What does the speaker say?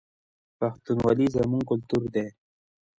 پښتونولي زموږ کلتور دی